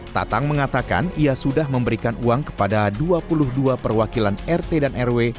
tatang mengatakan ia sudah memberikan uang kepada dua puluh dua perwakilan rtw